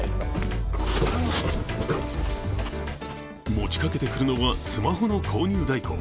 持ちかけてくるのはスマホの購入代行。